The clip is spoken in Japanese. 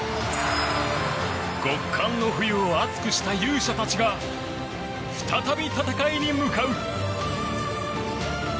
極寒の冬を熱くした勇者たちが再び戦いに向かう。